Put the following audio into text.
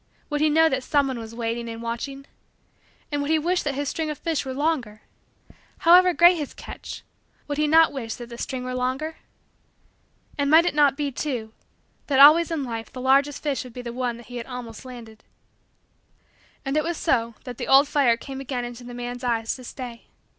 Would he know that someone was waiting and watching? And would he wish that his string of fish were longer? However great his catch, would he not wish that the string were longer? And might it not be, too, that always in life the largest fish would be the one that he had almost landed? And it was so that the old fire came again into the man's eyes to stay.